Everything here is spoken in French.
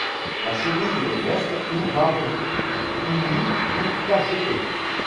La chenille est verte ou marron, unie ou tachetée.